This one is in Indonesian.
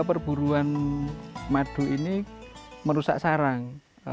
perburuan madu ini merusak sarang